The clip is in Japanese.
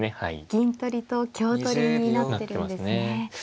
銀取りと香取りになってるんですね。